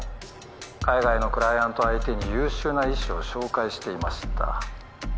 海外のクライアント相手に優秀な医師を紹介していました